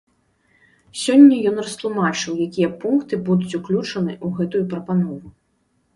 Сёння ён растлумачыў, якія пункты будуць уключаны ў гэтую прапанову.